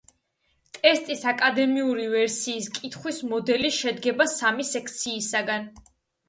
ტესტის აკადემიური ვერსიის კითხვის მოდული შედგება სამი სექციისგან.